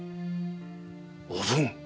おぶん！